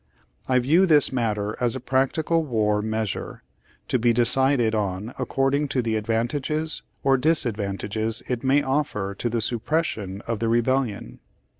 I view this matter as a practical war measure, to be decided on according to the advantages or disadvantages it may offer to the suppression of the Re bellion."